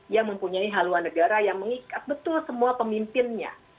yang mempunyai haluan negara yang mengikat betul semua pemimpinnya